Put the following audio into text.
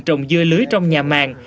trồng dưa lưới trong nhà màng